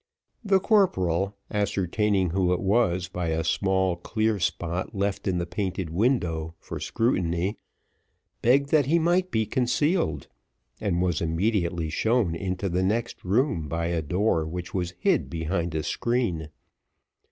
The corporal ascertaining who it was by a small clear spot left in the painted window for scrutiny, begged that he might be concealed, and was immediately shown into the next room by a door, which was hid behind a screen.